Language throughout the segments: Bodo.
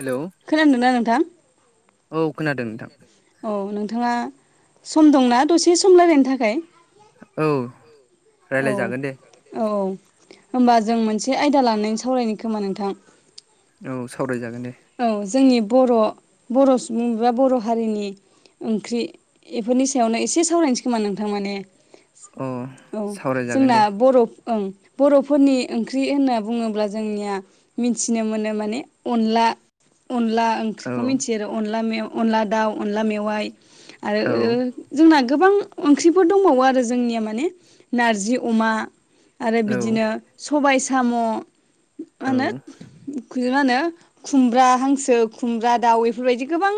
हेलौ औ खोनादों नोंथां। अ नोंथाङा सम दंना दसे सम लायरायनो थाखाय? औ रायलायजागोन दे। औ होमबा जों मोनसे आयदा लानानै सावरायनो खोमा नोंथां। औ सावराय जागोन दे। औ जोंनि बर' बर' सुबुं एबा बर' हारिनि ओंख्रि एफोरनि सायावनो एसे सावरायनसै खोमा नोंथां माने औ जोंना बर' ओं बर'फोरनि ओंख्रि होनना बुङोब्ला जोंनिया मिथिनो मोनो माने अनला अनला ओंख्रिखौ मिन्थियो आरो अनला मेव अनला दाउ अनला मेवाइ आरो जोंना गोबां ओंख्रिफोर दंबावो आरो जोंनिया माने नारजि अमा आरो बिदिनो सबाय साम' मानो [unintelligible] मानो खुमब्रा हांसो खुमब्रा दाउ इफोरबायदि गोबां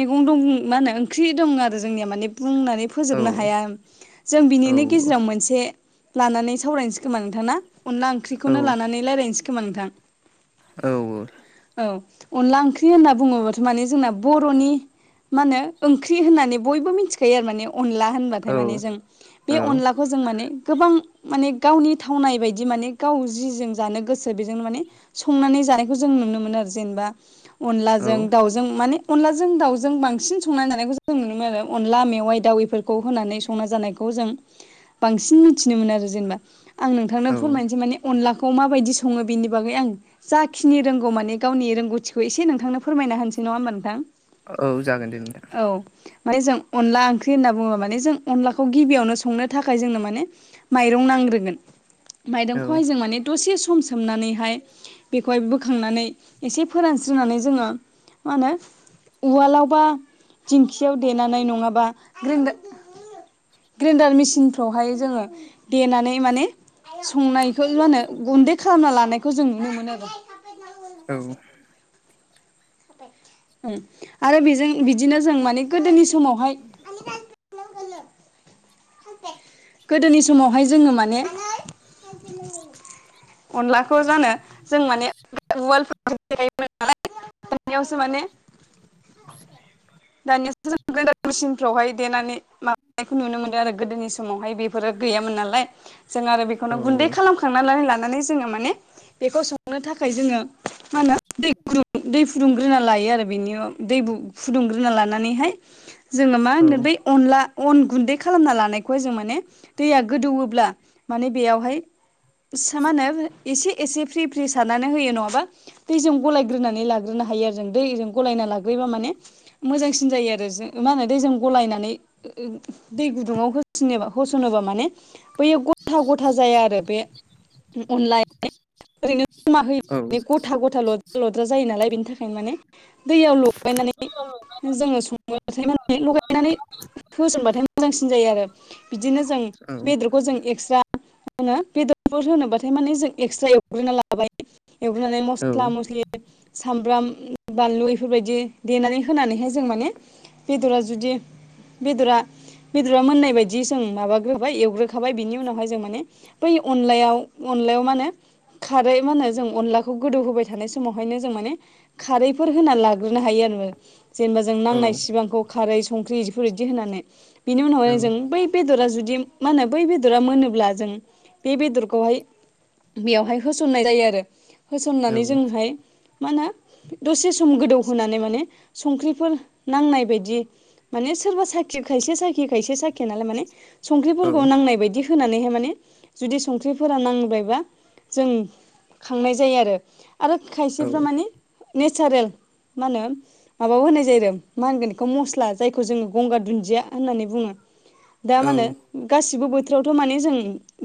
मेगं दं मा होनो ओंख्रि दं आरो जोंनिया माने बुंनानै फोजोबनो हाया। जों बिनिनो गेजेराव मोनसे लानानै सावरायनसै खोमा नोंथां ना? अनला ओंख्रिखौनो लानानै लायरायनसै खोमा नोंथां। औ औ। औ अनला ओंख्रि होनना बुङोबाथ' माने जोंना बर'नि मा होनो ओंख्रि होननानै बयबो मिनथिखायो आरो माने अनला होनबाथाय माने जों बे अनलाखौ जों माने गोबां माने गावनि थावनाय बायदि माने गाव जि जों जानो गोसो बेजोंनो माने संनानै जानायखौ जों नुनो मोनो आरो जेनेबा अनलाजों दाउजों माने अनलाजों दाउजों बांसिन संनानै जानायखौ जों नुनो मोनो आरो अनला मेवाइ दाउ एफोर खौ होनानै संना जानायखौ जों बांसिन मिथिनो मोनो आरो जेनेबा। आं नोंथांनो फोरमायनसै माने अनलाखौ माबायदि सङो बिनि बागै आं जाखिनि रोंगौ माने गावनि रोंगौथिखौ एसे नोंथांनो फोरमायना होनसै। नङा होमबा नोंथां? औ जागोन दे नोंथां। माने जों अनला ओंख्रि होनना बुङो माने जों अनलाखौ गिबियावनो संनो थाखाय जोंनो माने माइरं नांग्रोगोन। माइरंखौहाय जों माने दसे सम सोमनानैहाय बेखौहाय बोखांनानै एसे फोरानस्रोनानै जोङो मा होनो उवालावबा दिंखियाव देनानै नङाबा ग्रेनदा ग्रेन्डार मिसिन फ्रावहाय जोङो देनानै माने संनायखौ माहोनो गुन्दै खालामना लानायखौ जों नुनो मोनो आरो। जौ। उम आरो बेजों बिदिनो जों माने गोदोनि समावहाय [inaudible] गोदोनि समावहाय जोङो माने आनै [unintelligible] अनलाखौ जानो जों माने उवाल [unintelligible] गोदान मेसिनफ्रावहाय देनानै माबानायखौ नुनो मोनो आरो गोदोनि समाव समावहाय बेफोरो गैयामोन नालाय जों आरो बेखौनो गुन्दै खालामखांनानै लानानै जोङो माने बेखौ संनो थाखाय जोङो म होनो दैुदुं दै फुदुंग्रोना लायो आरो बेनियाव दै फुदुंग्रोना लानानैहाय जोङो मा होनो ब अनला अन गुन्दै खालामना लानाय बेखौाय जों माने दैया गोदौोब्ला माने बेयावहाय मा होनो एसे एसे फ्रि फ्रि सारनानै होयो नङाबा दैजों गलायग्रोनानै लाग्रोनो हायो आरो जों दैजों गलायना लाग्रोबयोबा माने मोजांसिन जायो आरो जों मा होनो दै जों गलायनानै दै गुदुङाव होनोबा होसनोबा माने बैयो गथा गथा जाया आरो बे अनलाय ओरैनो हो गथा गथा लद्रा लद्रा जायो नालाय बेनि थाखायनो माने दैयाव लगायनानै जोङो संबाथाय मान लगायनानै होजेनबाथाय मोजांसिन जायो आरो। बिदिनो जों बेदरखौ जों एक्सट्रा ङो बेदरफोर होनोबाथाय मान जों एक्सट्रा एवग्रोन एवग्रनानै मस्ला मस्लि सामब्राम बानलु बेफोरबायदि देनानै होनानैहाय जों माने बेदरा जुदि बेा बेदरा मोननाय बायदि जि जों माबाग्रोबाय एवग्रोखाबाय बिनि उनावहाय जों माने बै अनलायाव अनलायाव मा होनो? खारै मा होनो जों अनलाखौ गोदौ होबाय थानाय समावहायनो जों माने खारैफोर होनानै लाग्रोनो हायो आरो जेनेबा जों नांनाय सिबांखौ खारै संख्रि बेफोर इदि होनानै बिनि उनावहाय जों बै बेदरा जुदि मा होनो बै बेदरा मोनोब्ला जों बे बेदरखौहाय बेयावहाय होसननाय जायो आरो। होसननानै जोंहाय मा होनो दसे सम गोदौ होनोनानै माने संख्रिफोर नांनाय बायदि माने सोरबा साखि खायसे साखि खायसे साखि नालाय माने संख्रिफोरखौ नांनाय बायदि होनानैहाय माने जुदि संख्रिफोरा नांबायबा जों खांनाय जायो आरो आरो खायसेफ्रा मानिे नेचारेल मा होनो? माबो होनाय जायो आरो मानांगोननिखौ मस्ला जायखौ जोङो गंगार दुन्दिया होननानै बुङो। दा मा होनो गासिबो बोथोरावथ' माने जों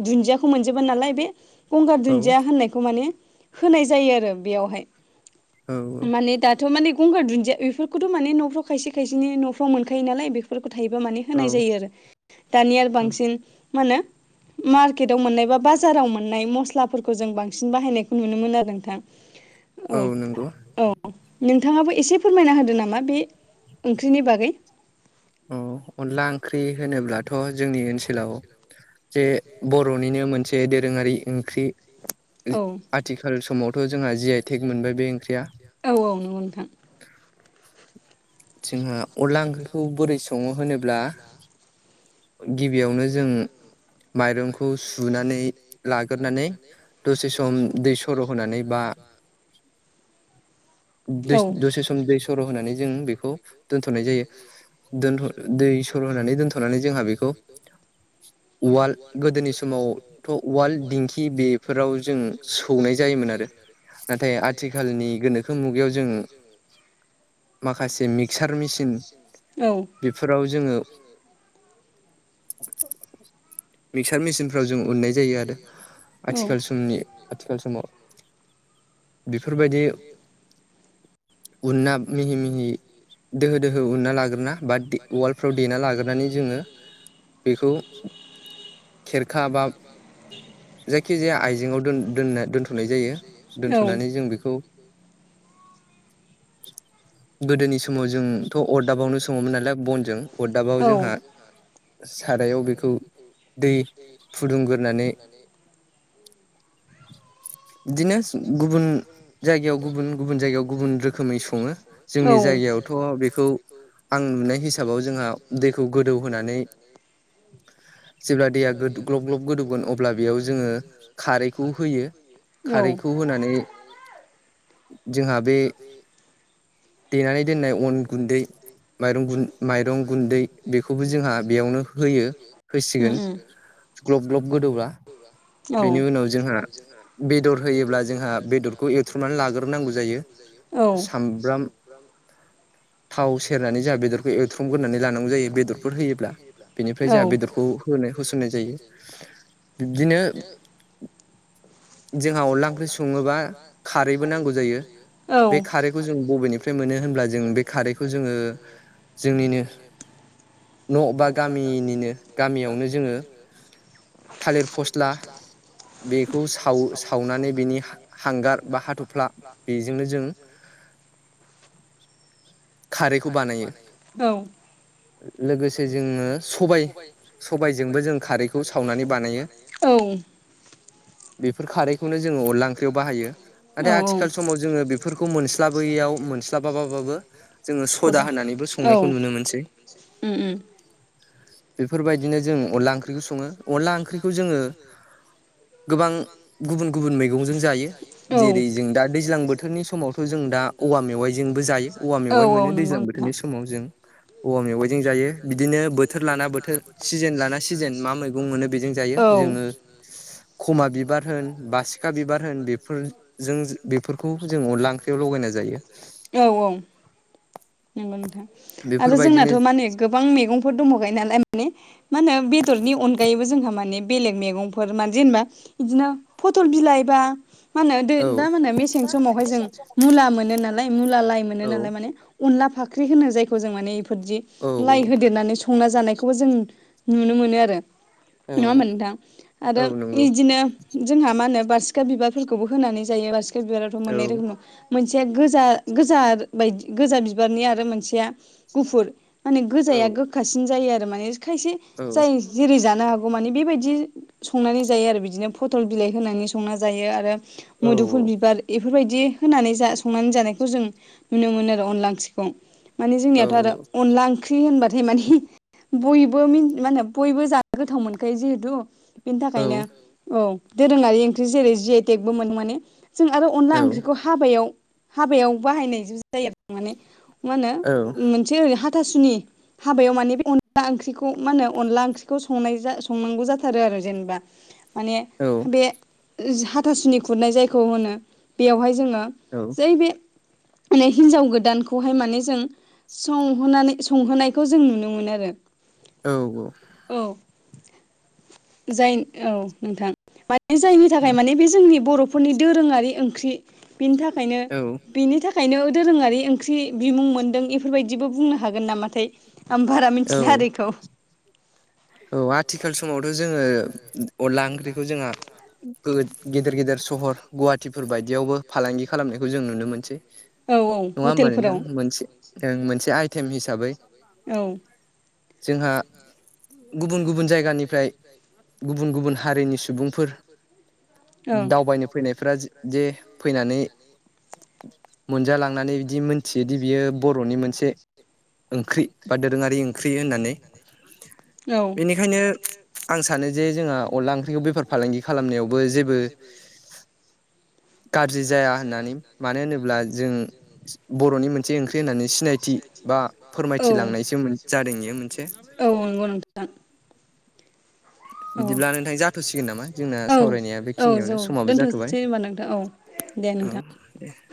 दुन्दियाखौ मोनजोबबोोन नालाय बे गंगार दुन्दिया होननायखौ माने होनाय जायो आरो बेयावहाय माने दा ' माने गगार दुदिया बेफोरखौथ' माने न'फ्राव खायसे खायसेनि न'फ्राव मोनखायो नालाय बेखौ फोरखौ थायोबा माने होनाय जायो आरो दानि आरो बांसिन मा होनो? मार्केटाव मोननाय बा बाजाराव मोननाय मस्लाफोरखौ जों बांसिन बाहायनायखौ नुनो मोनो आरो नोंथां। [unintelligible] औ औ नोंथाङाबो एसे फोरमायना होदो नामा बे ओंख्रिनि बागै। अ अनला ओंख्रि होनोब्लाथ' जोंनि ओनसोलाव जे बर'निनो मोनसे दोरोङारि ओंख्रि औ आथिखाल समावथ' जोंहा जि आइ टेक मोनबाय बे ओंख्रिया। औ औ नंगौ नोंथां जोंहा अनला ओंख्रिखौ बोरै सङो होनोब्ला गिबियावनो जों माइरंखौ सुनानै लाग्रोनानै दसे सम दै सर' होनानै बा दै दसे सम सम दै सर' होनानै जों बेखौ दोनथ'नाय जायो दै सर' होनानै दोनथ'नानै जोंहा बेखौ वाल गोदोनि समावथ' वाल् दिंखि बेफोराव जों सौनाय जायोमोन आरो नाथाय आथिखालनि गोनोखो मुगायाव जों औ जोङो मिक्सार मेचिनफ्राव जों उननाय जायो आरो। आथिखाल समनि आथिखाल समाव बेफोरबायदि उना मिहि मिहि दोहो दोहो उनना लाग्रोना बा वालफ्राव देना लाग्रानै जोङो बेखौ खेरखा बा जायखि जाया आइजेंआव दोनना दोन्थ'नाय जायो दोनथ'नानै जों बेखौ गोदोनि सम समाव जोंथ' अरदाबावनो सङोमोन नालाय बनजों अरदाबाव जोंहा सारायाव बेखौ दै फुदुंग्रोनानै [inaudible] बिदिनो गुबुन जायगायाव गुबुन गुबुन जायगायाव गुबुन रोखोमै सङो। जोंनि जायगायावथ' बेखौ आं नुनाय हिसाबाव जोंहा दैखौ गोदौ फुनानै औ जेब्ला दैया ग्लब ग्लब गोदौगोन अब्ला बेयाव जोङो खारैखौ होयो खारैखौ। होनानै जोंहा बे देनानै दोननाय अन गुन्दै माइरं गु माइरं गुन्दै बेखौबो जोंहा बेयावनो होयो होसिगोन ग्लब ग्लब गोदौब्ला बेनि उनाव जोंहा बेदर होयोब्ला जोंहा बेदरखौ एवथुमनानै लाग्रोनांगौ जायो औ सामब्राम [inaudible] थाव सेरनानै जोंहा बेदरखौ एरथ्रमग्रोनानै लानांगौ जायो। बेदरफोर होयोब्ला बेनिफ्राय जोंहा बेदरखौ होनो होसननाय जायो। बिदिनो जोंहा अनला ओंख्रि सङोबा खारैबो नांगौ जायो बे खारैखौ जों बबेनिफ्राय मोनो होनब्ला जों बे खारैखौ जोङो जोंनिनो न' बा गामिनिनो गामियावनो जोङो थालिर फस्ला बेखौ सावो सावनानै बेनि हांगार बा हाथ'फ्ला बेजोंनो जों [inaudible] [inaudible] खारैखौ बानाय औ लोगोसे जोङो स सबजोंबो जों खारैखौ सावनानै बानायो औ [inaudible] बेफोर खारैखौनो जोङो अनला ओंख्रियाव बाहायो नाथाय आथिखाल समाव जोङो बे बेफोरखौ मोनस्लाबैयाव मोनस्लाबाबाबाबो जोङो सदा होननानैबो संनायखौ नुनो मोनसै। उम उम बेफोरबायदिनो जों अनला ओंख्रिखौ सङो अनला ओंख्रिखौ जोङो गोबां गुबुन गुबुन मैगंजों जायो जेरै जों दा दैज्लां बोथोरनि समावथ' जों दा औवा मेवाइजोंबो जायो औवा मेवाइ मोनो दैज्लां बोथोरनि समाव जों औवा मेगाइजों जायो बिदिनो बोथोर लाना बोथोर सिजेन लाना सिजेन मा मैगं मोनो बेजों जायो जोङो खमा बिबार होन बासिखा बिबार होन बेफोरजों बेफोरखौ जों अनला बेयाव लगायना जायो। औ औ नंगौ नोंथां आरो जोंनाथ' माने गोबां मैगंफोर दंगायो नालाय। माने मा होनो बेदरनि अनगायैबो जोंहा माने बेलेग मैगंफोर मान जेनेबा बिदिनो फथल बिलाइबा मा होनो दा माे मेसें समावहाय जों मुला मोनो नालाय मुला लाइ मोनो नालाय माने अनला फाख्रि होनो जायखौ जों माने बेफोरदि लाइ होदेरनानै संना जानाय बेखौबो जों नुनो मोनो आरो नङा होनबा नोंथां आरो बिदिनो जोंहा मा होनो बारसिखा बिबारफोरखौबो होनानै जायो बारसिखा बिबारावथ' मोननै रोखोम मोनसेया गोजा गोजा बायदि गोजा बिबारनि आरो मोनसेया गुफुर माने गोजाया गोखासिन जायो आरो माने खायसे जाय जेरै जानो हागौ माने बेबायदि संनानै जायो आरो बिदिनो फटल बिलाइ होनानै संना जायो आरो मुदुफुल बिबार बेफोरबायदि होनानै जा संनानै जानायखौ जों नुनो मोनो आरो अनला ओंख्रिखौ माने जोंनियाथ' आरो अनला ओंख्रि होनबाथाय माने बयबो मा होनो बयबो जानो गोथाव मोनखायो जिहेथु बेनि थाखायनो औ दोरोङारि ओंख्रि जेरै जि आइटेकबो मोनो माने जों आरो अनला ओंख्रिखौ हाबायाव हाबायाव बाहायनाय जा जायो माने मा होनो मोनसे ओरै हाथासुनि हाबायाव माने बे अनला ओंख्रिखौ मा होनो अनला ओंख्रिखौ संनाय संनांगौ जाथारो आरो जेनेबा माने बे हाथासुनि खुरनाय जायखौ होनो बेयावहाय जोङो औ जै बे माने हिन्जाव गोदानखौहाय माने जों संहोनानै संहोनायखौ जों नुनो मोनो आरो। आरो जाय औ नोंथां माने जायनि थाखाय माने बे जोंनि बर'फोरनि दोरोङारि ओंख्रि बिनि थाखायनो बेनि थाखायनो दोरोङारि ओंख्रि बिमुं मोनदों बेफोरबायदिबो बुंनो हागोन नामाथाय आं बारा मिथिला आरो बेखौ औ आथिखाल समावथ' जोङो अनला ओंख्रिखौ जोंहा गेदेर गेदेर सहर गुवाहाटिफोर बायदियावबो फालांगि खालामनायखौ जों नुनो मोनसै। नङा होमबा नोंथां मोनसे ओ मोनसे आइटेम हिसाबै जोंहा गुबुन गुबुन जायगानिफ्राय गुबुन गुबुन हारिनि सुबुंफोर दावबायनो फैनायफोरा जे फैनानै मोनजालांनानै बिदि मोनथियोदि बियो बर'नि मोनसे ओंख्रि बा दोरोङारि ओंख्रि होननानै औ बेनिखायनो आं सानो जे जोंहा अनला ओंख्रिखौ बेफार फालांगि खालामनायावबो जेबो [inaudible] गाज्रि जाया होननानै मानो होनोब्ला जों बर'नि मोनसे ओंख्रि होननानै सिनायथि बा फोरमायथिलांनायसो जादों बेयो मोनसे औ नंगौ नोंथां बिदिब्ला नोंथां जाथ'सिगोन नामा जोंना सावरायनाया बेखिनियावनो समाबो जाथ'बाय औ दे